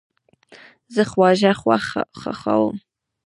زه خواږه خوښوم